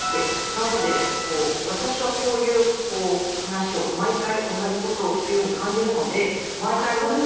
なので、私はこういう話を毎回、同じことを聞くように感じるので毎回。